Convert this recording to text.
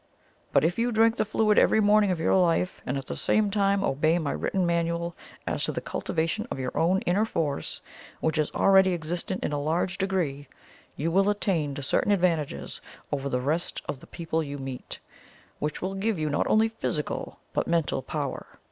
But if you drink the fluid every morning of your life, and at the same time obey my written manual as to the cultivation of your own inner force, which is already existent in a large degree, you will attain to certain advantages over the rest of the people you meet, which will give you not only physical, but mental power."